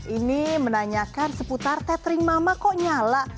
ini menanyakan seputar tethering mama kok nyala